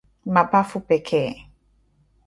mapafu pekee